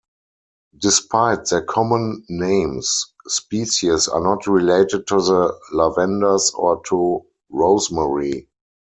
Despite their common names, species are not related to the lavenders or to rosemary.